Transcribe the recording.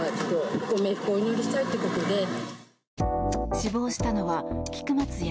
死亡したのは菊松安